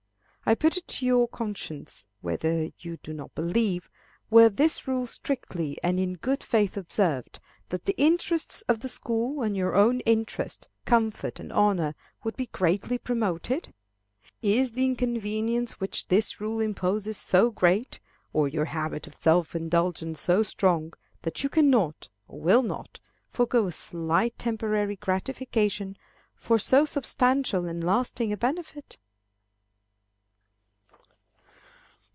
I put it to your conscience, whether you do not believe, were this rule strictly and in good faith observed, that the interests of the school, and your own interest, comfort, and honor, would be greatly promoted? Is the inconvenience which this rule imposes so great, or your habit of self indulgence so strong, that you cannot, or will not, forego a slight temporary gratification for so substantial and lasting a benefit?